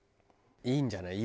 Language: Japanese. いいんじゃない？